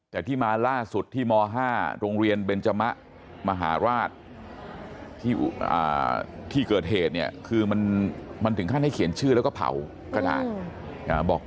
แต่ที่มาล่าสุดที่ม๕โรงเรียนเบนจมะมหาราชที่เกิดเหตุเนี่ยคือมันถึงขั้นให้เขียนชื่อแล้วก็เผากระดาษบอก